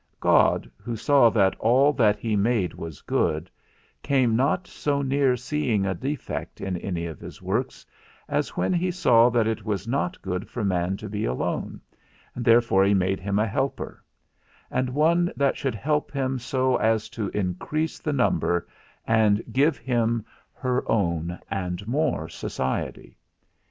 God, who saw that all that he made was good, came not so near seeing a defect in any of his works, as when he saw that it was not good for man to be alone, therefore he made him a helper; and one that should help him so as to increase the number, and give him her own, and more society.